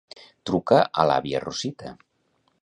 Truca a l'àvia Rosita.